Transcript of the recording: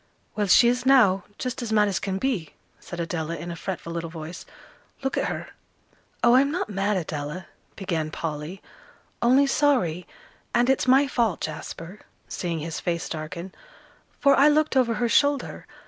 "Well, she is now just as mad as can be," said Adela, in a fretful little voice; "look at her." "Oh, I'm not mad, Adela," began Polly, "only sorry. And it's my fault, Jasper," seeing his face darken, "for I looked over her shoulder.